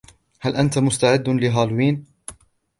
هل أنت مستعد لهالوين ؟